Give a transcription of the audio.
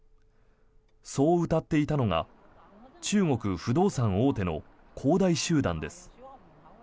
そううたっていたのが中国不動産大手の恒大集団です。